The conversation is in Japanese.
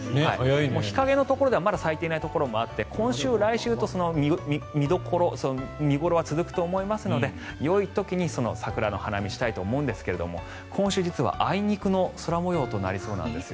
日陰のところではまだ咲いていないところもあって今週、来週と見頃は続くと思いますのでよい時に桜の花見をしたいと思うんですが今週、あいにくの空模様となりそうなんです。